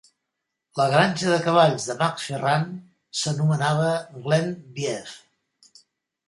La granja de cavalls de McFerran s'anomenava Glen View.